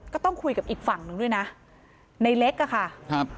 ก็ต้องคุยกับอีกฝั่งหนึ่งด้วยนะในเล็กอ่ะค่ะครับ